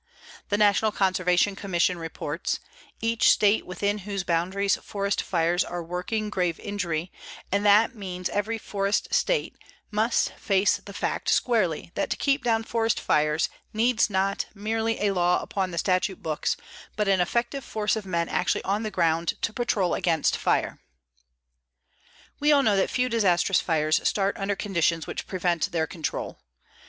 The National Conservation Commission reports: "Each state within whose boundaries forest fires are working grave injury, and that means every forest state, must face the fact squarely that to keep down forest fires needs not merely a law upon the statute books, but an effective force of men actually on the ground to patrol against fire." We all know that few disastrous fires start under conditions which prevent their control.